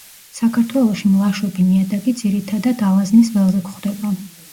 საქართველოში მლაშობი ნიადაგი ძირითადად ალაზნის ველზე გვხვდება.